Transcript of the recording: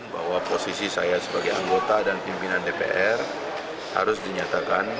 bahwa posisi saya sebagai anggota dan pimpinan dpr harus dinyatakan